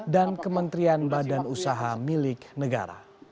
dan kementerian badan usaha milik negara